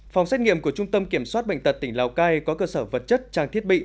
phòng xét nghiệm của trung tâm kiểm soát bệnh tật tỉnh lào cai có cơ sở vật chất trang thiết bị